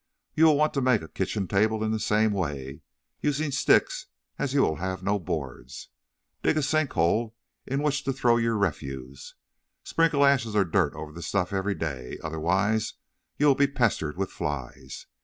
You will want to make a kitchen table in the same way, using sticks, as you will have no boards. Dig a sink hole into which to throw your refuse, sprinkling ashes or dirt over the stuff every day, otherwise you will be pestered with flies.